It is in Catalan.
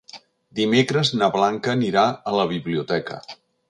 Dimecres na Blanca anirà a la biblioteca.